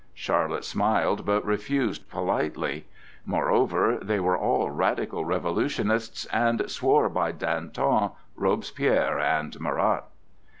Charlotte smiled, but refused politely. Moreover they were all radical revolutionists, and swore by Danton, Robespierre and Marat.